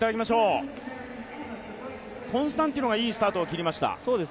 コンスタンティノがいいスタートを切りました。